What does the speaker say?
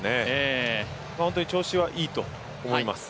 本当に調子はいいと思います。